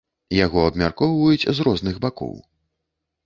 Яго абмяркоўваюць з розных бакоў.